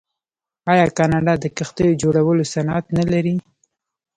آیا کاناډا د کښتیو جوړولو صنعت نلري؟